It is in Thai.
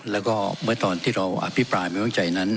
แล้วก็เมื่อตอนที่เราอภิปรายไม่วางใจนั้น